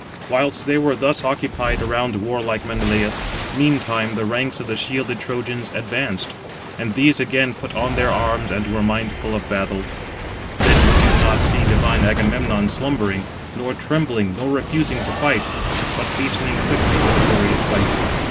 Whilst they were thus occupied around warlike Menelaus, meantime the ranks of the shielded Trojans advanced; and these again put on their arms, and were mindful of battle. Then would you not see divine Agamemnon slumbering, nor trembling nor refusing to fight; but hastening quickly to the glorious fight.